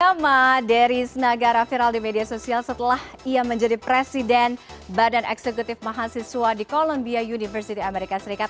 nama deris nagara viral di media sosial setelah ia menjadi presiden badan eksekutif mahasiswa di columbia university amerika serikat